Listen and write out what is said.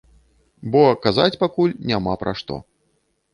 Бо казаць пакуль няма пра што.